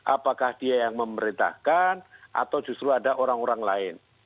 apakah dia yang memerintahkan atau justru ada orang orang lain